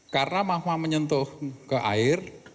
karena mahmah menyentuh ke air